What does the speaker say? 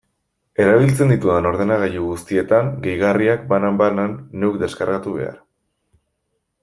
Erabiltzen ditudan ordenagailu guztietan gehigarriak, banan-banan, neuk deskargatu behar.